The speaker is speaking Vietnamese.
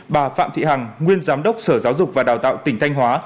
bà phạm thị hằng nguyên giám đốc sở giáo dục và đào tạo tỉnh thanh hóa